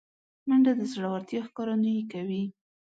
منډه د زړورتیا ښکارندویي کوي